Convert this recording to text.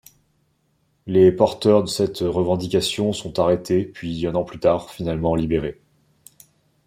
Les porteurs de cette revendication sont arrêtés puis, un an plus tard, finalement libérés.